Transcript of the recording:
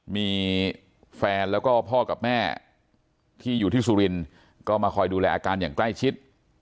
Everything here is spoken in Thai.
มีแฟนแล้วก็พ่อกับแม่ที่อยู่ที่สุรินทร์ก็มาคอยดูแลอาการอย่างใกล้ชิด